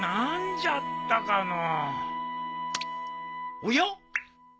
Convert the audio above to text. おや？